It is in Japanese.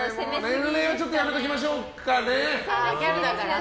年齢はちょっとやめておきましょうかね。